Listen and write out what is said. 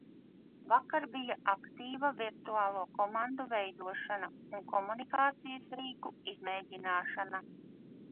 Vakar bija aktīva virtuālo komandu veidošana un komunikācijas rīku izmēģināšana.